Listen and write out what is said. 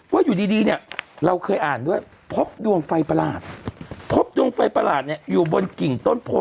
ว่าอยู่ดีเราเคยอ่านที่พบดวงไฟประหลาดพบดวงไฟประหลาดอยู่บนกิ่งต้นโพ